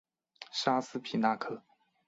沙斯皮纳克。